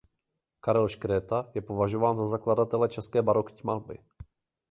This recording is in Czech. Karel Škréta je považován za zakladatele české barokní malby.